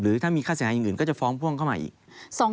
ถ้ามีค่าเสียหายอย่างอื่นก็จะฟ้องพ่วงเข้ามาอีก